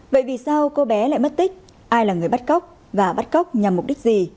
vậy vì sao cô bé lại mất tích ai là người bắt cóc và bắt cóc nhằm mục đích gì